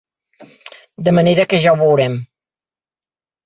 De manera que ja ho veurem.